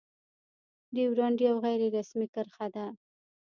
ډيورنډ يو غير رسمي کرښه ده.